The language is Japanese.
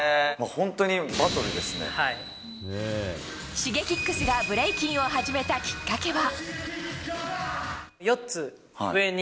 Ｓｈｉｇｅｋｉｘがブレイキンを始めたきっかけは。